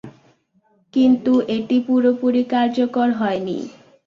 কিন্ত এটি পুরোপুরি কার্যকর হয়নি।